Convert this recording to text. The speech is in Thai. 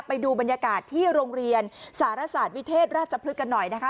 ไปดูบรรยากาศที่โรงเรียนสารศาสตร์วิเทศราชพฤกษ์กันหน่อยนะคะ